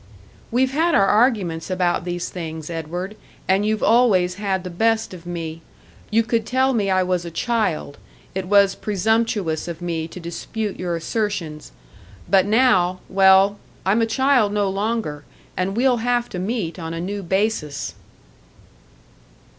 "We've had our arguments about these things, Edward, and you've always had the best of me you could tell me I was a child, it was presumptuous of me to dispute your assertions. But now well, I'm a child no longer, and we'll have to meet on a new basis."